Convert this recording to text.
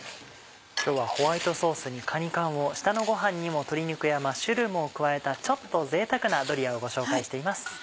今日はホワイトソースにかに缶を下のご飯にも鶏肉やマッシュルームを加えたちょっと贅沢なドリアをご紹介しています。